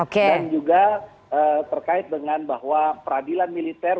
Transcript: dan juga terkait dengan bahwa peradilan militer